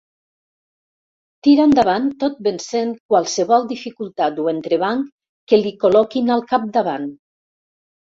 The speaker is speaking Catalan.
Tira endavant tot vencent qualsevol dificultat o entrebanc que li col·loquin al capdavant.